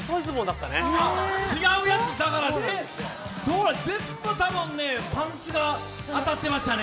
違うやつだからね、全部多分パンツが当たってましたね。